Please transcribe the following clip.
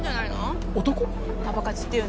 パパ活っていうの？